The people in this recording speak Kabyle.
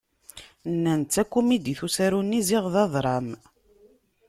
Nnan-d d takumidit usaru-nni ziɣ d adṛam.